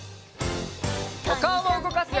おかおもうごかすよ！